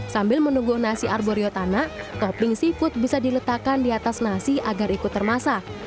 sambil menunggu nasi arborio tanah topping seafood bisa diletakkan di atas nasi agar ikut termasak